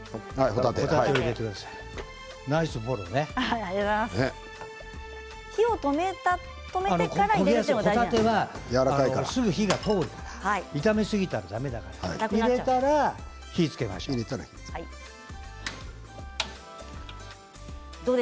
ほたては火がすぐ通るから炒めすぎたら、だめだから入れたら火をつけましょう。